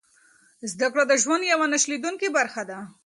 زده کړه د ژوند یوه نه شلېدونکې برخه ده.